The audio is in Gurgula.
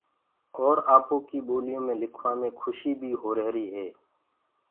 اور آپو ڪيِ ٻوليو مي لکوآ مي کُشيٚ بيِٚ هو ريهريِٚ هي۔